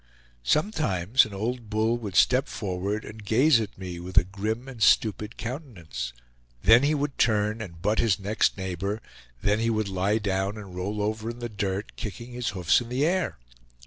Sometimes an old bull would step forward, and gaze at me with a grim and stupid countenance; then he would turn and butt his next neighbor; then he would lie down and roll over in the dirt, kicking his hoofs in the air.